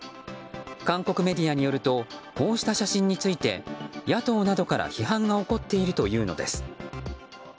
韓国メディアによるとこうした写真について野党などから批判が起こっているというのです。